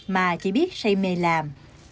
mà chỉ biết say mê làm